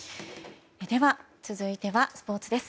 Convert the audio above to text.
続いてはスポーツです。